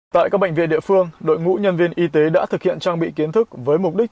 tại các bệnh viện địa phương đội ngũ nhân viên y tế đã thực hiện trang bị kiến thức với mục đích